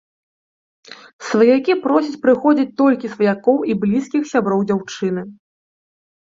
Сваякі просяць прыходзіць толькі сваякоў і блізкіх сяброў дзяўчыны.